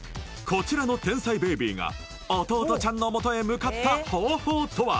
こちらの天才ベイビーが弟ちゃんのもとへ向かった方法とは？